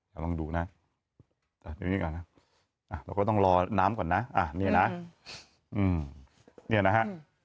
ลองดูนะเราก็ต้องรอน้ำก่อนนะอันนี้นะฮะ